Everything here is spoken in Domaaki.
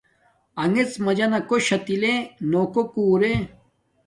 اݵݣݵڎ مَجَنݳ کݸ شَتِلݺ نݸ کݸ کُݸݸرݺ.